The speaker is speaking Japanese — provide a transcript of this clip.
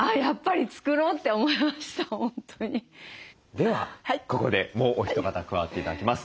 ではここでもうお一方加わって頂きます。